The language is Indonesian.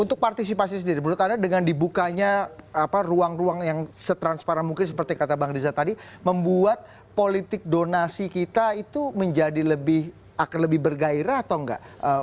untuk partisipasi sendiri menurut anda dengan dibukanya ruang ruang yang setransparan mungkin seperti kata bang riza tadi membuat politik donasi kita itu menjadi lebih bergairah atau enggak